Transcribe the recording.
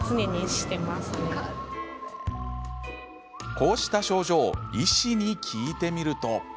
こうした症状医師に聞いてみると。